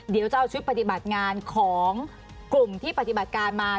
เดี๋ยวจะเอาชุดปฏิบัติงานของกลุ่มที่ปฏิบัติการมา